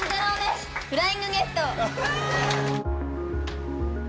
フライングゲット！